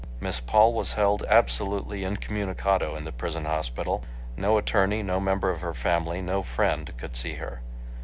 Miss Paul was held absolutely incommunicado in the prison hospital. No attorney, no member of her family, no friend could see her.